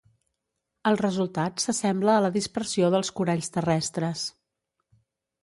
El resultat s'assembla a la dispersió dels coralls terrestres.